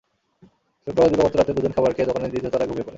শুক্রবার দিবাগত রাতে দুজন খাবার খেয়ে দোকানের দ্বিতীয় তলায় ঘুমিয়ে পড়ে।